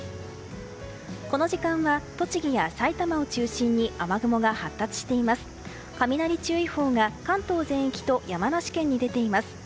この時間栃木や埼玉に雨雲が発達して雷注意報が関東全域と山梨県に出ています。